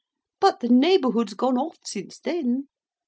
'—'But the neighbourhood's gone off since then!